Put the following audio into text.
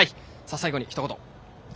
最後にひと言！